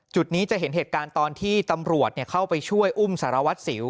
จุดนี้จะเห็นเหตุการณ์ตอนที่ตำรวจเข้าไปช่วยอุ้มสารวัตรสิว